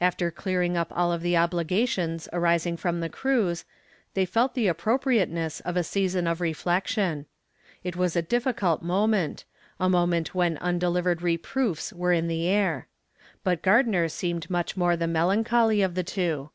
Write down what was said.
After clearing up all of the obligations arising from the cruise, they felt the appropriateness of a season of reflection. It was a difficult moment a moment when undelivered reproofs were in the air. But Gardner seemed much the more melancholy of the two.